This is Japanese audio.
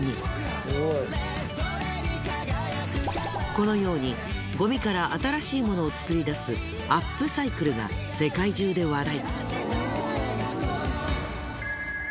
このようにゴミから新しいモノを作り出すアップサイクルが世界中で話題。